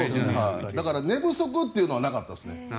だから寝不足というのはなかったですね。